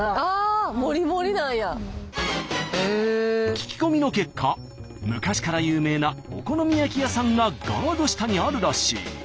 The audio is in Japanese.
聞き込みの結果昔から有名なお好み焼き屋さんがガード下にあるらしい。